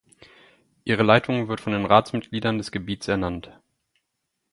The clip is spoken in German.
Ihre Leitung wird von den Ratsmitgliedern des Gebiets ernannt.